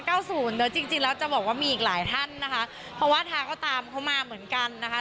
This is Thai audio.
แล้วจริงจริงแล้วจะบอกว่ามีอีกหลายท่านนะคะเพราะว่าทาก็ตามเขามาเหมือนกันนะคะ